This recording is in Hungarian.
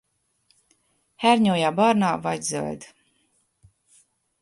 Hernyója barna vagy zöld.